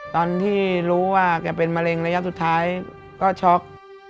ตอนที่รู้ว่าแกเป็นมะเร็งระยะสุดท้ายก็ช็อก